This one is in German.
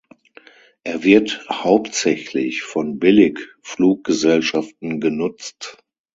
Er wird hauptsächlich von Billigfluggesellschaften genutzt.